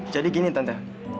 jadi gini tante